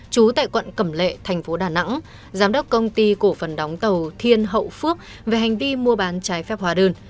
chú tại quận cẩm lệ thành phố đà nẵng giám đốc công ty cổ phần đóng tàu thiên hậu phước về hành vi mua bán trái phép hóa đơn